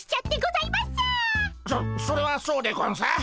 そそれはそうでゴンス。